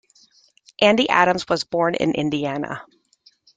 Andy Adams was born in Indiana.